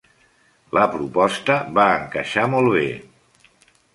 La proposta va encaixar molt bé.